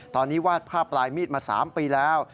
ตอนนี้วาดภาพปลายมีดมา๓ปีแล้ว